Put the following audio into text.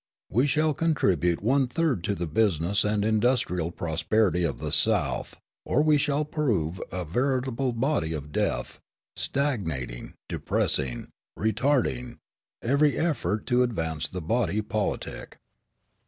We shall contribute one third to the business and industrial prosperity of the South or we shall prove a veritable body of death, stagnating, depressing, retarding, every effort to advance the body politic."